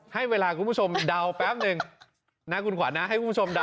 ให้เวลาคุณผู้ชมเดาแป๊บหนึ่งนะคุณขวัญนะให้คุณผู้ชมเดา